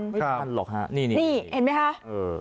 ไม่ทันหรอกครับนี่นี่เห็นมั้ยครับ